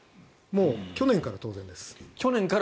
もう去年から当然です。